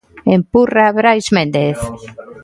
Empurra Brais Méndez.